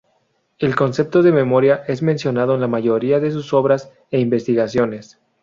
El concepto de memoria es mencionado en la mayoría de sus obras e investigaciones.